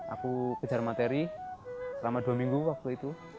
aku kejar materi selama dua minggu waktu itu